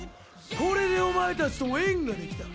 これでお前たちとは縁ができた。